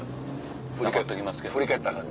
振り返っときますけど。